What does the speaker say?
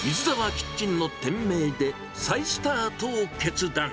キッチンの店名で、再スタートを決断。